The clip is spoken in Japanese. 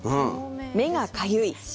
目がかゆい。